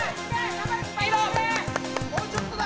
もうちょっとだ！